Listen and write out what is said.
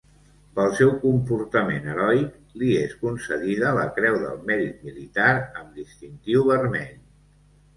Pel seu comportament heroic li és concedida la Creu del Mèrit Militar amb distintiu vermell.